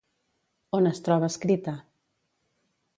On es troba escrita?